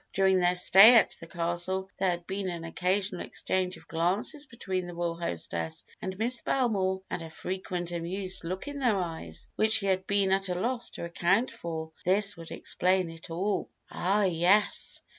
During their stay at the castle there had been an occasional exchange of glances between their royal hostess and Miss Belmore and a frequent amused look in their eyes, which she had been at a loss to account for; but this would explain it all. Ah, yes!